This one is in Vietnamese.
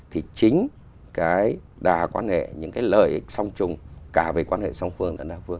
thì chính cái đa quan hệ những cái lợi xong chung cả về quan hệ song phương